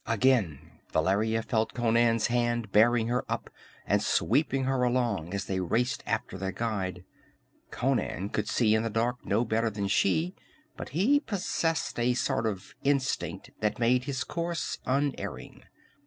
Again Valeria felt Conan's hand bearing her up and sweeping her along as they raced after their guide. Conan could see in the dark no better than she, but he possessed a sort of instinct that made his course unerring.